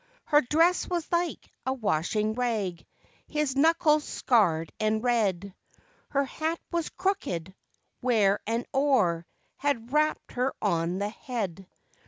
Her dress was like a washing rag, h i s knuckles scarred and red, _ Her hat was crooked, where an oar had rapped her on the head.